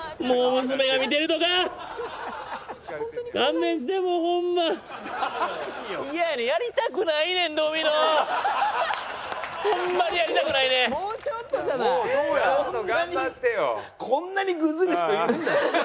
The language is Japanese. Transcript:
「もうちょっとじゃない」